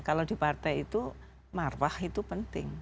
kalau di partai itu marwah itu penting